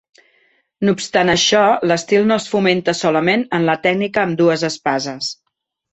No obstant això, l'estil no es fonamenta solament en la tècnica amb dues espases.